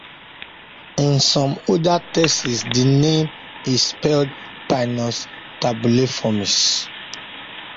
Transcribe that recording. In some older texts the name is spelled "Pinus tabulaeformis".